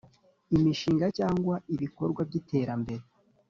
Imishinga cyangwa ibikorwa by iterambere